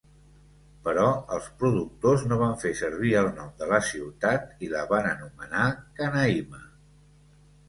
Però els productors no van fer servir el nom de la ciutat i la van anomenar Canaima.